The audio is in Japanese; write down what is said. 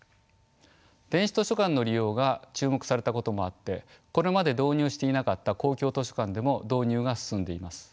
電子図書館の利用が注目されたこともあってこれまで導入していなかった公共図書館でも導入が進んでいます。